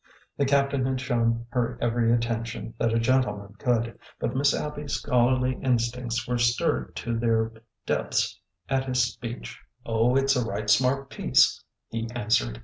The captain had shown her every attention that a gentleman could, but Miss Abby's scholarly instincts were stirred to their depths at his speech. Oh, it 's a right smart piece," he answered.